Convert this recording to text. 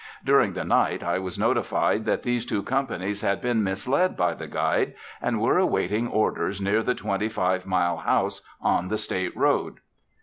During the night I was notified that these two companies had been misled by the guide, and were awaiting orders near the Twenty Five Mile House on the State Road.